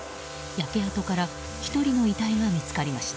焼け跡から１人の遺体が見つかりました。